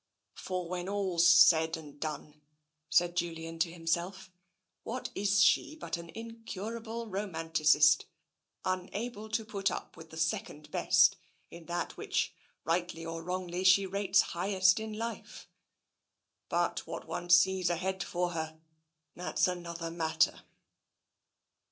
" For when all's said and done," said Julian to him self, " what is she but an incurable romanticist, unable to put up with the second best in that which, rightly or wrongly, she rates highest in life? But what one sees ahead for her — that's another matter."